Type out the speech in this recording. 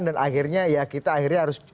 dan akhirnya ya kita akhirnya harus